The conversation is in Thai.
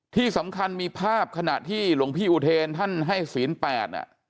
ที่สำคัญมีภาพขณะที่หลวงพี่อุเทรนท่านให้ศีลแปดน่ะ